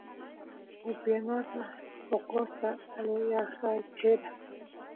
upiyanapaq poqosta alojayachera